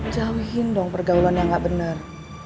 jauhin dong pergaulan yang gak bener